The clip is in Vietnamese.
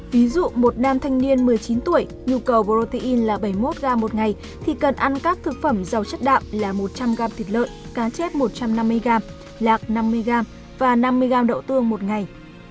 ví dụ một nam thanh niên một mươi chín tuổi nhu cầu protein là bảy mươi một gram một ngày thì cần ăn các thực phẩm giàu chất đạo là một trăm linh gram thịt lợn cá chép một trăm năm mươi gram lạc năm mươi gram và năm mươi gram đậu tương một ngày